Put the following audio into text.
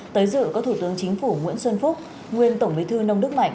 tới dự có thủ tướng chính phủ nguyễn xuân phúc